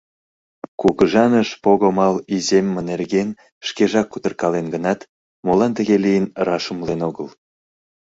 Кугыжаныш пого-мал иземме нерген шкежак кутыркален гынат, молан тыге лийын, раш умылен огыл.